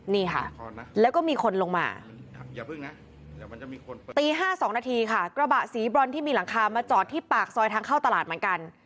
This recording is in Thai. นี่ค่ะแล้วก็มีคนลงมาอย่าเพิ่งนะตี๕๒นาทีค่ะกระบะสีบรอนที่มีหลังคามาจอดที่ปากซอยทางเข้าตลาดเหมือนกัน